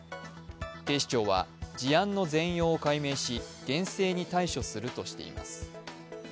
警視庁は事案の全容を解明し厳正に対処するとしています。